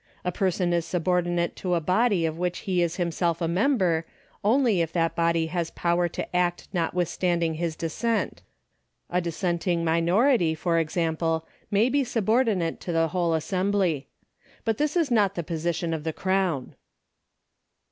A person is subordinate to a body of which he is himself a member, only if that body has power to act notwithstanding his dissent. A dissenting minority, for example, may be subordinate to the whole assembly. But this is not the position of the Crown.